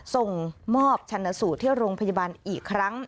ส่งมอบชันสูตรที่โรงพยาบาลอีกครั้ง